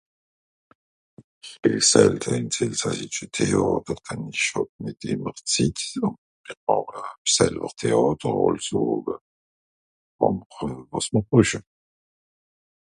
ìsch geh selte ìns elsassische Théàter dann ìsch hàb nìt ìmmer Zit ver ... Théàter àlso euh ... wàs mr brüche